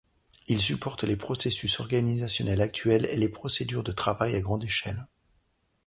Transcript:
Il supporte les processus organisationnels actuels et les procédures de travail à grande échelle.